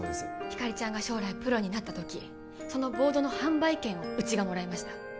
ひかりちゃんが将来プロになった時そのボードの販売権をうちがもらいました